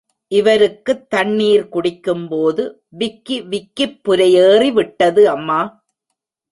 இவருக்குத் தண்ணீர் குடிக்கும் போது விக்கி விக்கிப்புரையேறி விட்டது அம்மா!